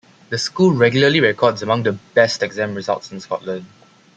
The school regularly records among the best exam results in Scotland.